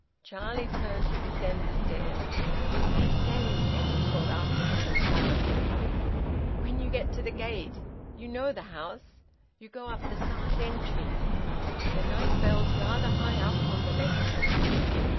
Charlie turned to descend the stairs. "I say," Edwin called after him in a loud whisper, "when you get to the gate you know the house you go up the side entry. The night bell's rather high up on the left hand."